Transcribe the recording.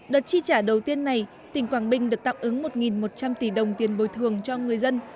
đợt chi trả đầu tiên này tỉnh quảng bình được tạm ứng một một trăm linh tỷ đồng tiền bồi thường cho người dân